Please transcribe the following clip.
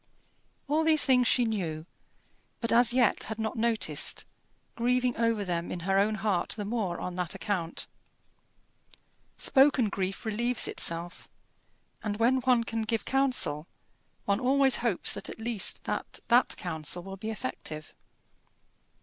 All these things she knew, but as yet had not noticed, grieving over them in her own heart the more on that account. Spoken grief relieves itself; and when one can give counsel, one always hopes at least that that counsel will be effective.